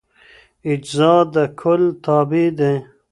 اجزا د کل تابع دي.